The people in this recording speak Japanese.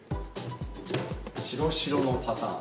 白白のパターン。